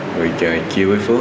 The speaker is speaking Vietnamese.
rồi chờ chiêu với phước